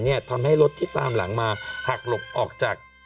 ทำให้รถที่ตามหลังมาหักหลบออกจาก